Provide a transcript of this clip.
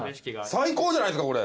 最高じゃないすかこれ。